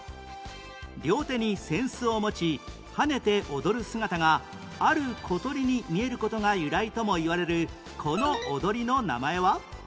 両手に扇子を持ち跳ねて踊る姿がある小鳥に見える事が由来ともいわれるこの踊りの名前は？